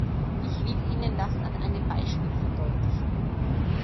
Ich will Ihnen das an einem Beispiel verdeutlichen.